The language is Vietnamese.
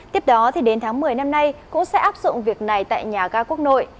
tiếp đó đến tháng một mươi năm nay cũng sẽ áp dụng việc này tại nhà ga quốc nội